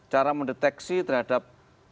cara mendeteksi terhadap